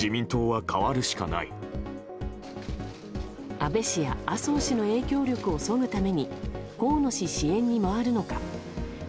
安倍氏や麻生氏の影響力をそぐために河野氏支援に回るのか。